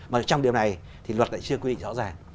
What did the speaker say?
mà trong điều này thì luật lại chưa quy định rõ ràng